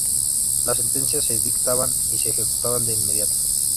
Las sentencias se dictaban y se ejecutaban de inmediato.